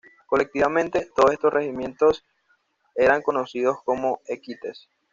Colectivamente, todos estos regimientos eran conocidos como "equites".